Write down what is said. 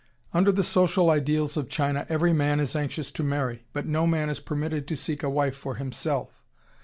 Under the social ideals of China every man is anxious to marry, but no man is permitted to seek a wife for himself.